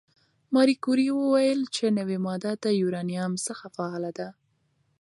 ماري کوري وویل چې نوې ماده د یورانیم څخه فعاله ده.